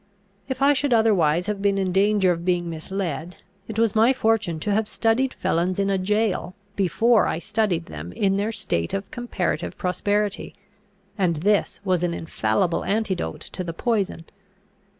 If I should otherwise have been in danger of being misled, it was my fortune to have studied felons in a jail before I studied them in their state of comparative prosperity; and this was an infallible antidote to the poison.